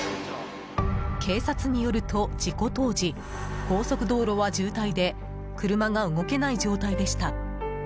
警察によると、事故当時高速道路は渋滞で車が動けない状態でした。